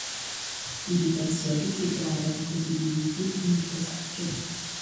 I difensori si trovarono così divisi in due sacche.